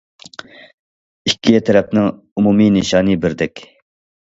ئىككى تەرەپنىڭ ئومۇمىي نىشانى بىردەك.